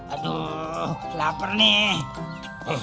aduh lapar nih